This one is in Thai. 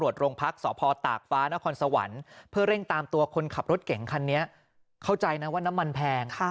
สพตากฟ้านครสวรรค์เพื่อเร่งตามตัวคนขับรถเก่งคันนี้เข้าใจนะว่าน้ำมันแพง